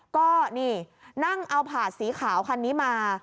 ก็นี่นั่งเอาผาดสีขาวคันนี้มา